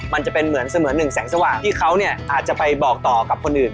มันจะเป็นเหมือนเสมือนหนึ่งแสงสว่างที่เขาเนี่ยอาจจะไปบอกต่อกับคนอื่น